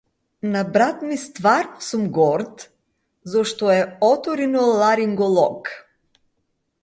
На брат ми стварно сум горд зашто е оториноларинголог.